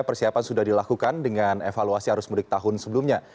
persiapan sudah dilakukan dengan evaluasi arus mudik tahun sebelumnya